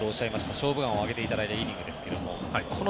「勝負眼」を挙げていただいたイニングですが。